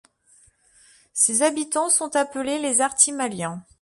Ses habitants sont appelés les Artimaliens.